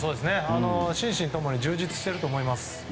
心身ともに充実していると思います。